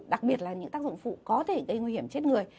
đặc biệt là những tác dụng phụ có thể gây nguy hiểm chết người